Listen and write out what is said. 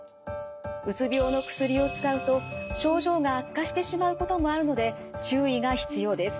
うつ病の薬を使うと症状が悪化してしまうこともあるので注意が必要です。